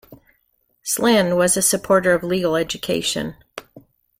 Slynn was a supporter of legal education.